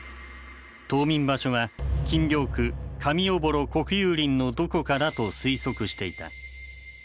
冬眠場所は禁猟区上尾幌国有林のどこかだと推測していた。